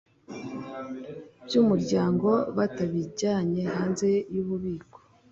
by umuryango batabijyanye hanze y ububiko